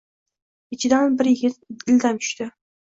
Ichidan bir yigit ildam tushdi.